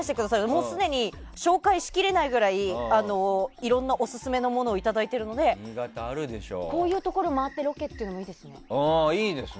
もうすでに紹介しきれないくらいいろんなおすすめのものをいただいているのでこういうところを回るいいですね。